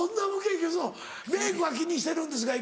メイクは気にしてるんですか？